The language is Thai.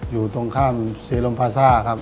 อยู่ตรงข้ามศรีลมพาซ่าครับ